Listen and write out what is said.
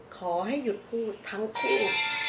ขอให้หยุดพูดทั้งคู่